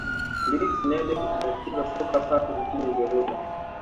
leeds united inacheza soka safi nchini uingereza